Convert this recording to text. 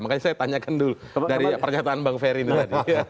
makanya saya tanyakan dulu dari pernyataan bang ferry ini tadi